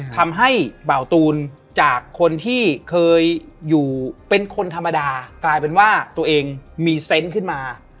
ทำให้เบาตูนจากคนที่เคยอยู่เป็นคนธรรมดากลายเป็นว่าตัวเองมีเซนต์ขึ้นมา